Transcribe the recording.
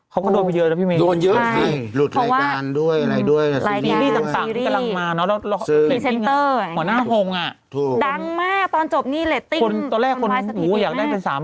เขาก็โดนไปเยอะนะพี่เมฆส์ไงพี่โดนเยอะ